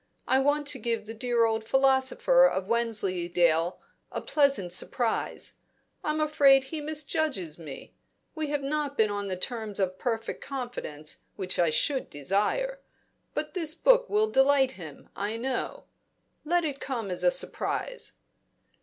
I want to give the dear old philosopher of Wensleydale a pleasant surprise. I'm afraid he misjudges me; we have not been on the terms of perfect confidence which I should desire. But this book will delight him, I know. Let it come as a surprise."